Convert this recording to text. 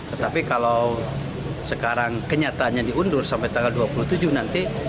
tetapi kalau sekarang kenyataannya diundur sampai tanggal dua puluh tujuh nanti